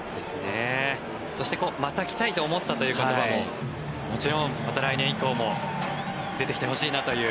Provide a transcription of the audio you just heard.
そして、また来たいと思ったという言葉ももちろん、また来年以降も出てきてほしいなという。